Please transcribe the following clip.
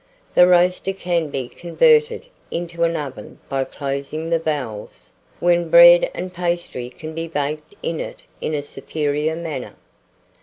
The roaster can be converted into an oven by closing the valves, when bread and pastry can be baked in it in a superior manner.